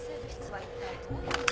はい。